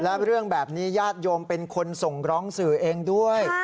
และเรื่องแบบนี้ญาติโยมเป็นคนส่งร้องสื่อเองด้วย